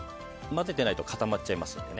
混ぜてないと固まっちゃうので。